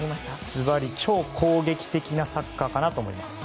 ずばり超攻撃的なサッカーかなと思います。